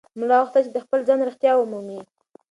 ملا غوښتل چې د خپل ځان رښتیا ومومي.